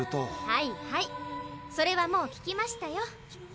はいはいそれはもう聞きましたよ。